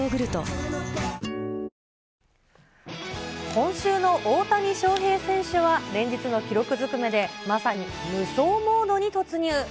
今週の大谷翔平選手は、連日の記録ずくめでまさに無双モードに突入。